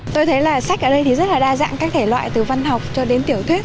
tôi thấy là sách ở đây thì rất là đa dạng các thể loại từ văn học cho đến tiểu thuyết